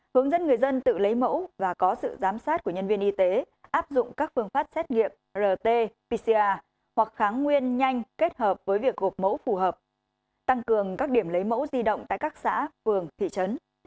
hướng dẫn người dân tự lấy mẫu và có sự giám sát của nhân viên y tế áp dụng các phương pháp xét nghiệm rt pcr hoặc kháng nguyên nhanh kết hợp với việc gộp mẫu phù hợp tăng cường các điểm lấy mẫu di động tại các xã phường thị trấn